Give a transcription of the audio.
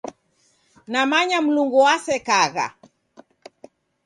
Namanya Mlungu wasekagha.